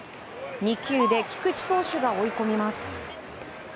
２球で菊池投手が追い込みます。